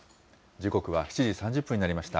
時刻は７時３０分になりました。